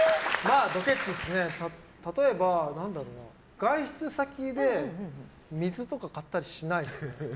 例えば、外出先で水とか買ったりしないですね。